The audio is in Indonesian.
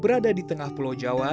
berada di tengah pulau jawa